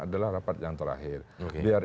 adalah rapat yang terakhir biar